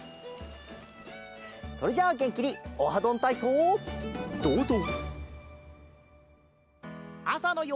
それじゃあげんきに「オハどんたいそう」どうぞ。